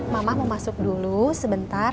mama mau masuk dulu sebentar